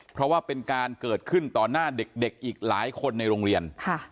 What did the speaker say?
เพราะว่าเป็นการเกิดขึ้นต่อหน้าเด็กอีกหลายคนในโรงเรียน